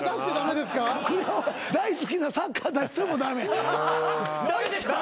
大好きなサッカー出しても駄目。